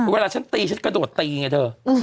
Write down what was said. เวลาฉันตีฉันกระโดดตีไงเธอ